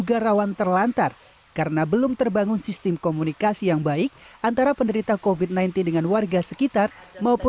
justru itu kalau melihat ada satu keluarga yang harus menjalani isuman